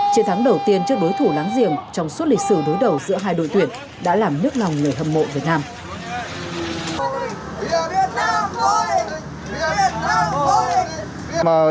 chiến thắng đầu tiên trước đối thủ láng giềng trong suốt lịch sử đối đầu giữa hai đội tuyển đã làm nức lòng người hâm mộ việt nam